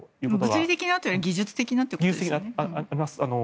物理的なということより技術的なことということですよね。